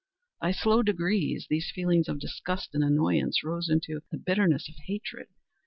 By slow degrees, these feelings of disgust and annoyance rose into the bitterness of hatred.